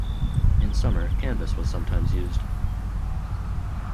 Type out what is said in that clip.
In summer canvas was sometimes used.